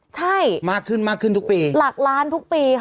ใช่หลักล้านทุกปีค่ะมากขึ้นทุกปี